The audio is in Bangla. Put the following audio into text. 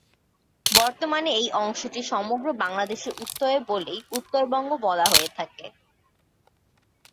বর্তমানে এই অংশটি সমগ্র বাংলাদেশের উত্তরে বলেই, উত্তরবঙ্গ বলা হয়ে থাকে।